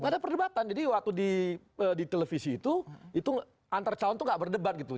gak ada perdebatan jadi waktu di televisi itu itu antar calon itu gak berdebat gitu